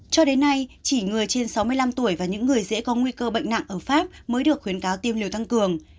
cho đến nay chỉ người trên sáu mươi năm tuổi và những người dễ có nguy cơ bệnh nặng ở pháp mới được khuyến cáo tiêm liều tăng cường